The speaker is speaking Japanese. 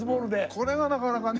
これがなかなかね。